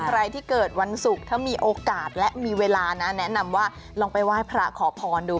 ใครที่เกิดวันศุกร์ถ้ามีโอกาสและมีเวลานะแนะนำว่าลองไปไหว้พระขอพรดู